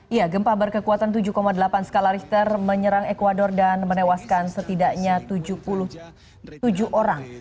iya gempa berkekuatan tujuh delapan skala richter menyerang ecuador dan menewaskan setidaknya tujuh puluh tujuh orang